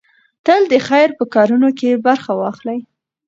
تل د خير په کارونو کې برخه واخلئ.